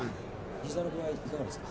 膝の具合いかがですか？